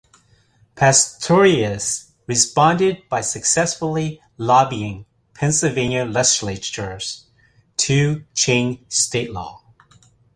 Pastorius responded by successfully lobbying Pennsylvania legislators to change state law.